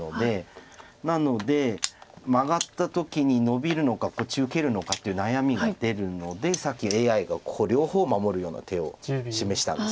なのでマガった時にノビるのかこっち受けるのかっていう悩みが出るのでさっきＡＩがここ両方を守るような手を示したんです。